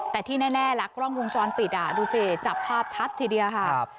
แต่ที่แน่แน่ละกล้องพุงจรปิดอ่ะดูสิจับภาพชัดทีเดียวค่ะครับ